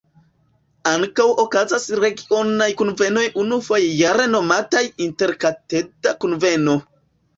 Ankaŭ okazas regionaj kunvenoj unufoje jare nomataj "interkadeta kunveno".